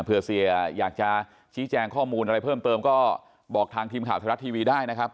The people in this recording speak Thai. เผื่อเสียอยากจะชี้แจงข้อมูลอะไรเพิ่มเติมก็บอกทางทีมข่าวไทยรัฐทีวีได้นะครับ